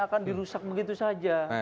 akan dirusak begitu saja